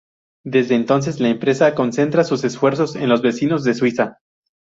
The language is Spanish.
Desde entonces, la empresa concentra sus esfuerzos en los vecinos de Suiza.